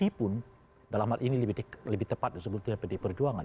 koalisi pun dalam hal ini lebih tepat disebutnya pdi perjuangan